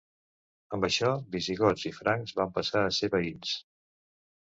Amb això visigots i francs van passar a ser veïns.